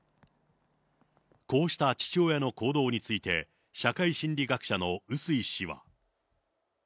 こうした父親の行動について、社会心理学者の碓井氏は。